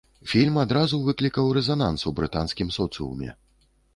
Фільм адразу выклікаў рэзананс у брытанскім соцыуме.